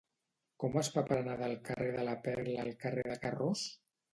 Com es fa per anar del carrer de la Perla al carrer de Carroç?